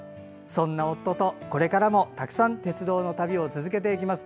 そんな夫とこれからもたくさん鉄道の旅を続けていきます。